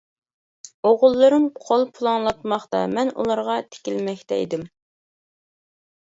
ئوغۇللىرىم قول پۇلاڭلاتماقتا مەن ئۇلارغا تىكىلمەكتە ئىدىم.